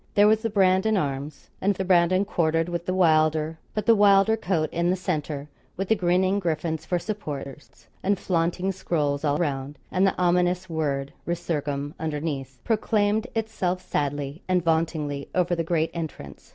There were the Brandon arms, and the Brandon quartered with the Wylder; but the Wylder coat in the centre, with the grinning griffins for supporters, and flaunting scrolls all round, and the ominous word 'resurgam' underneath, proclaimed itself sadly and vauntingly over the great entrance.